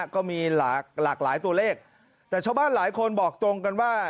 ก็มีหลากหลายตัวเลขแต่ชาวบ้านหลายคนบอกตรงกันว่า